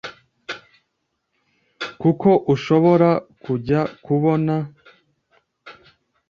kuko ushobora kujya kubona